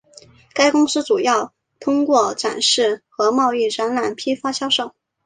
该公司主要是通过展示和贸易展览批发销售。